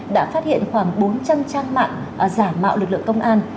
đã phát hiện khoảng bốn trăm linh trang mạng giả mạo lực lượng công an